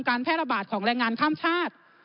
แพร่ระบาดของแรงงานข้ามชาติ